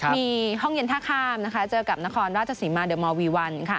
มีห้องเย็นท่าข้ามเจอกับนครราชสีมาเดอร์มอลวีวัน